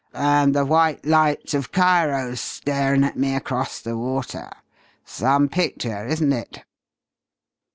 And the white lights of Cairo starin' at me across the water. Some picture, isn't it?"